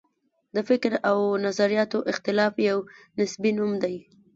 د فکر او نظریاتو اختلاف یو نصبي نوم دی.